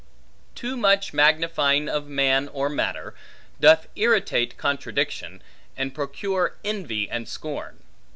Too much magnifying of man or matter, doth irritate contradiction, and procure envy and scorn.